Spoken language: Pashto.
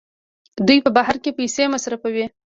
دوی په بهر کې پیسې مصرفوي.